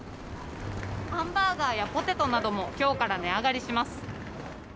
ハンバーガーやポテトなども、きょうから値上がりします。